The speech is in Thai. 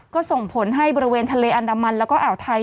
ก็ส่งผลให้บริเวณทะเลอันดามันแล้วก็อ่าวไทย